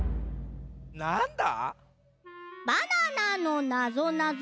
なんだ？